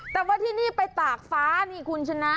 แต่ว่าที่นี่ไปตากฟ้านี่คุณชนะ